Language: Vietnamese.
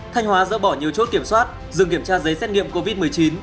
thanh hóa dỡ bỏ nhiều chốt kiểm soát dừng kiểm tra giấy xét nghiệm covid một mươi chín